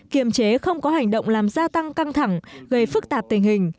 kiềm chế không có hành động làm gia tăng căng thẳng gây phức tạp tình hình